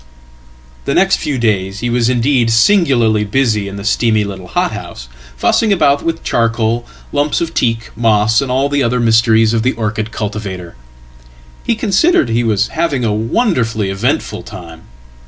"The next few days he was indeed singularly busy in his steamy littlehothouse, fussing about with charcoal, lumps of teak, moss, and all theother mysteries of the orchid cultivator. He considered he was having awonderfully eventful time.